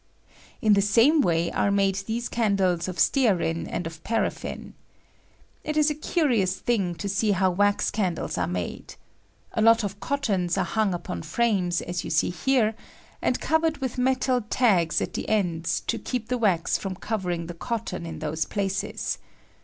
In the same way are made these candies of stearin and of parafdne. It is a curious thing to see how wax candles are made. A lot of cottons are hung upon frames, as you see here, and covered with metal tags at the ends to keep the wax from covering the cotton in those plfiees.